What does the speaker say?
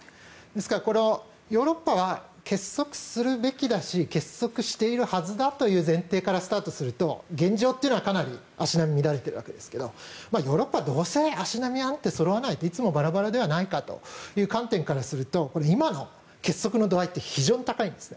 ですからヨーロッパは結束するべきだし結束しているはずだという前提からスタートすると現状というのはかなり足並みが乱れているわけですがヨーロッパはどうせ足並みなんてそろわないいつもバラバラではないかという観点からすると今の結束の度合いって非常に高いんです。